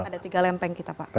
ada tiga lempeng kita pak